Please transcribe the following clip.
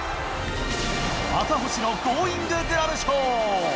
赤星のゴーインググラブ賞。